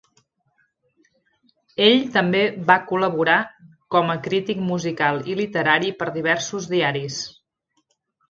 Ell també va col·laborar com a crític musical i literari per diversos diaris.